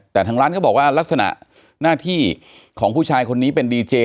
แต่ทางร้านก็บอกว่าลักษณะหน้าที่ของผู้ชายคนนี้เป็นดีเจ